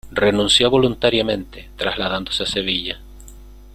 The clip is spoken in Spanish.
Renunció voluntariamente, trasladándose a Sevilla.